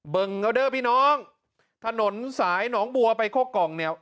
เด้อพี่น้องถนนสายหนองบัวไปโคกองเนี่ย